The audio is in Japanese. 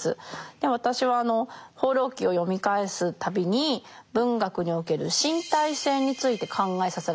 私は「放浪記」を読み返す度に文学における「身体性」について考えさせられます。